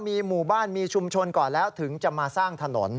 มีหมู่บ้านมีชุมชนก่อนแล้วถึงจะมาสร้างถนน